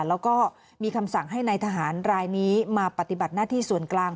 แล้วก็มีคำสั่งให้นายทหารรายนี้มาปฏิบัติหน้าที่ส่วนกลาง